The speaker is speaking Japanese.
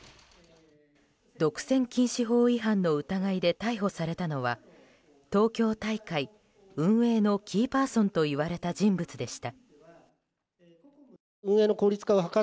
独占禁止法違反の疑いで逮捕されたのは東京大会運営のキーパーソンといわれた人物でした。